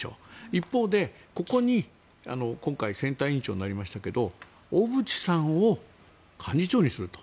一方で、ここに今回選対委員長になりましたけど小渕さんを幹事長にすると。